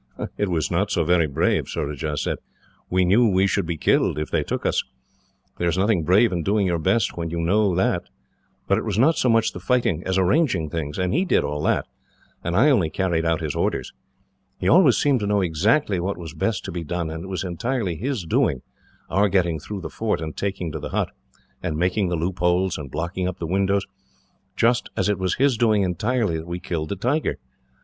"It was not so very brave," Surajah said. "We knew we should be killed, if they took us. There is nothing brave in doing your best, when you know that. But it was not so much the fighting as arranging things, and he did all that, and I only carried out his orders. He always seemed to know exactly what was best to be done, and it was entirely his doing, our getting through the fort, and taking to the hut, and making the loopholes, and blocking up the windows; just as it was his doing, entirely, that we killed that tiger.